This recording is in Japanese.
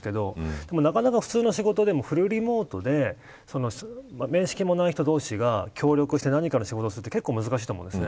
でも、なかなか縁の仕事でもフルリモートで面識もない人同士が協力して何かの仕事するって結構、難しいと思うんです。